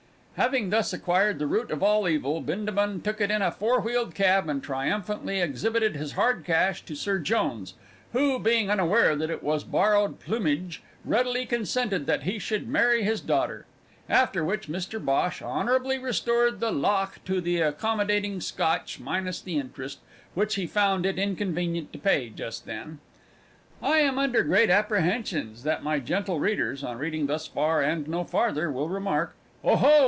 Having thus acquired the root of all evil, Bindabun took it in a four wheeled cab and triumphantly exhibited his hard cash to Sir Jones, who, being unaware that it was borrowed plumage, readily consented that he should marry his daughter. After which Mr Bhosh honourably restored the lakh to the accommodating Scotch minus the interest, which he found it inconvenient to pay just then. I am under great apprehensions that my gentle readers, on reading thus far and no further, will remark: "Oho!